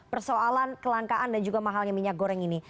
persoalan kelangkaan dan juga mahalnya minyak goreng ini